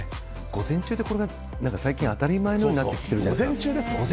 午前中でこれが最近当たり前のようになってきてるじゃないですか。